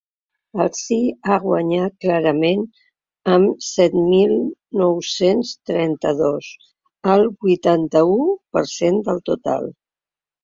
El sí ha guanyat clarament amb set mil nou-cents trenta-dos, el vuitanta-u per cent del total.